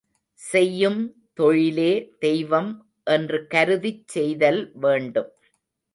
செய்யும் தொழிலே தெய்வம் என்று கருதிச் செய்தல் வேண்டும்.